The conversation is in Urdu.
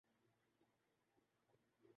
یہ اس فہرست میں نیا اضافہ ہے